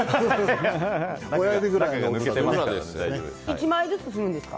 １枚ずつつけるんですか？